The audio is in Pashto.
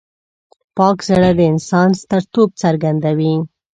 پاک زړه د انسان سترتوب څرګندوي.